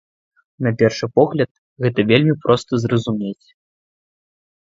На першы погляд, гэта вельмі проста зразумець.